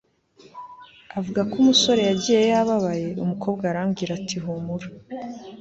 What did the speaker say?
avuga ko umusore yagiye yababaye umukobwa arambwira ati humura